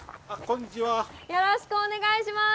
よろしくお願いします。